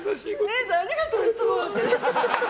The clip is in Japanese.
姉さん、ありがとういつもって。